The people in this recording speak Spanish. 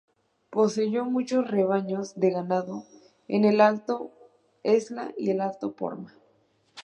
Poseyó muchos rebaños de ganado en el alto Esla y el alto Porma.